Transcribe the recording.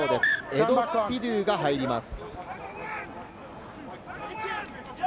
エド・フィドウが入ります。